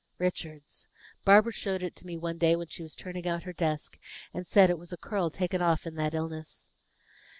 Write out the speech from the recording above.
"Richard's. Barbara showed it me one day when she was turning out her desk, and said it was a curl taken off in that illness."